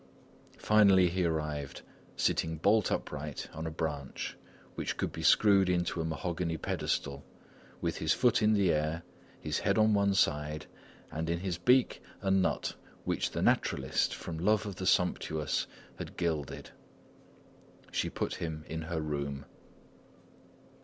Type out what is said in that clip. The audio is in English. Finally he arrived, sitting bolt upright on a branch which could be screwed into a mahogany pedestal, with his foot in the air, his head on one side, and in his beak a nut which the naturalist, from love of the sumptuous, had gilded. She put him in her room.